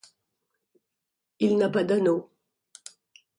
Il n'a pas d'anneau.